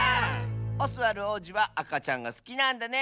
オスワルおうじはあかちゃんがすきなんだね。